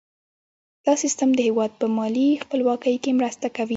دا سیستم د هیواد په مالي خپلواکۍ کې مرسته کوي.